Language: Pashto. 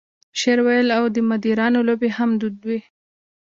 شعر ویل او د مداریانو لوبې هم دود وې.